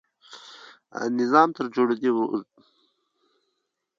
نظام تر جوړېدو وروسته بل سیاسي سازمان ته اجازه ور نه کړل شوه.